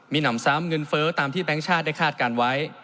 มีหนำซ้ำเงินเฟ้อตามที่แก๊งชาติได้คาดการณ์ไว้